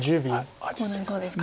こうなりそうですか。